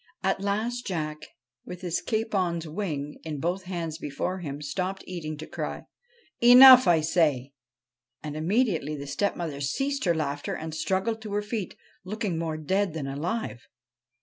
At last Jack, with his capon's wing in both hands before him, stopped eating to cry, ' Enough, I say !' And immediately the stepmother ceased her laughter and struggled to her feet, looking more dead than alive.